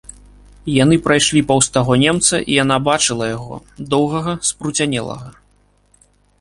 Яны прайшлі паўз таго немца, і яна бачыла яго, доўгага, спруцянелага.